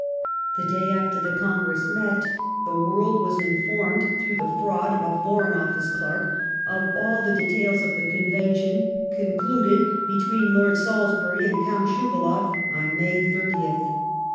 The day after the Congress met, the world was informed, through the fraud of a Foreign Office clerk, of all the details of the convention concluded between Ijord Salis bury and Count SchuvalofF on May 30th.